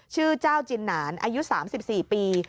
ชื่อเจ้าจินหนานอายุ๓๔ปี